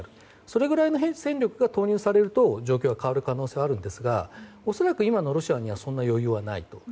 それぐらいの戦力が投入されると状況が変わる可能性がありますが恐らく今のロシアにはそんな余裕がない。